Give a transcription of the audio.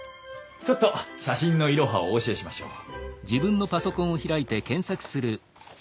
ちょっと写真のイロハをお教えしましょう。